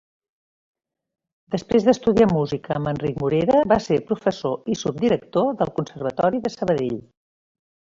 Després d'estudiar música amb Enric Morera, va ser professor i subdirector del Conservatori de Sabadell.